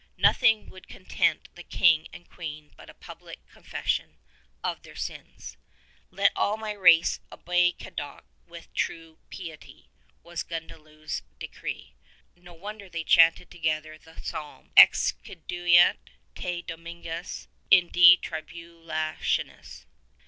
Nothing would content the King and Queen but a public confession of their sins. "Let all my race obey Cadoc with true piety," was Gundliew's decree. No wonder they chanted together the psalm, Ex audiat fe Dominus in die trihulationis.